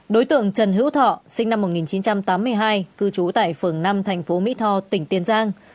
đối tượng trần hữu thọ sinh năm một nghìn chín trăm tám mươi hai cư trú tại phường năm thành phố mỹ tho tỉnh tiền giang